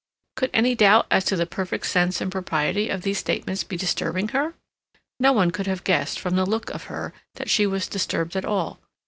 Could any doubt as to the perfect sense and propriety of these statements be disturbing her? No one could have guessed, from the look of her, that she was disturbed at all.